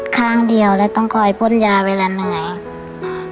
ข้างเดียวแล้วต้องคอยพ่นยาเวลาเหนื่อยอืม